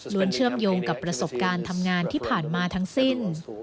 เชื่อมโยงกับประสบการณ์ทำงานที่ผ่านมาทั้งสิ้น